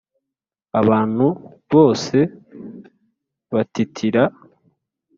abantu bose batitira.